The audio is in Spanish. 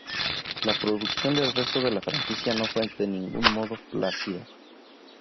La producción del resto de la franquicia no fue de ningún modo plácida.